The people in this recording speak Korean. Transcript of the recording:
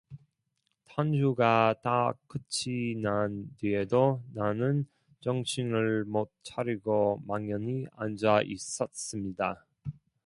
탄주가 다 끝이 난 뒤에도 나는 정신을 못 차리고 망연히 앉아 있었습니다.